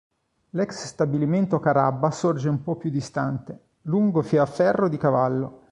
L'ex stabilimento Carabba sorge un po' più distante, lungo via Ferro di Cavallo.